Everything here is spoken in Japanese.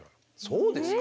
そうですか？